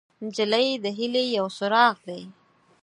نجلۍ د هیلې یو څراغ دی.